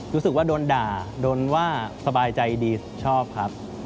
รู้สึกว่าโดนด่าโดนว่าสบายใจดีชอบครับ